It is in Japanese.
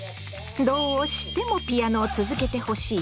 どうしてもピアノを続けてほしいと譲らない。